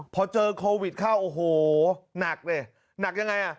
พอเจอโควิดเข้าโอ้โหหนักดิหนักยังไงอ่ะ